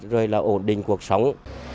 rồi là ổn định cuộc sống